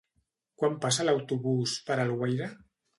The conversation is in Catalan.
Quan passa l'autobús per Alguaire?